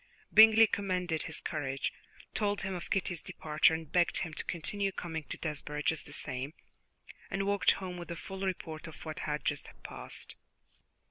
Bingley commended his courage, told him of Kitty's departure, and begged him to continue coming to Desborough just the same; and walked home with a full report of what had just passed.